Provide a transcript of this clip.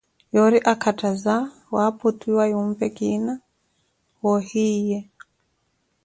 yoori akattaza waaputwiwa yumpe kina wa ohiyi ye.